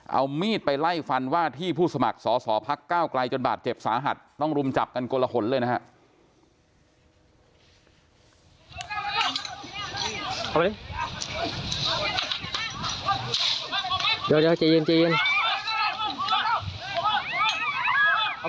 เอามีดไปไล่ฟันว่าที่ผู้สมัครสอสอพักก้าวไกลจนบาดเจ็บสาหัสต้องรุมจับกันกลหนเลยนะครับ